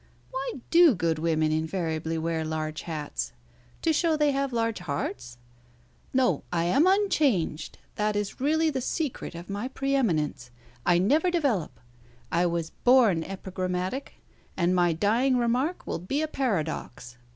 Why do good women invariably wear large hats? To show they have large hearts? No, I am unchanged. That is really the secret of my pre eminence. I never develop. I was born epigrammatic, and my dying remark will be a paradox.